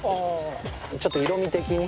ちょっと色味的に。